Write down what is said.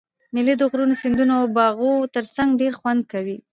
مېلې د غرو، سیندو او باغو ترڅنګ ډېر خوند کوي.